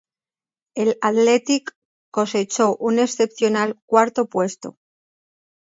El Athletic cosechó un excepcional cuarto puesto.